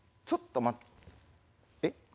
ちょっと待っ。